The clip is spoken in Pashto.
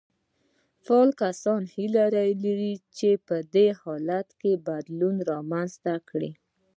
فعال کس هيله لري چې په حالت کې بدلون رامنځته کړي.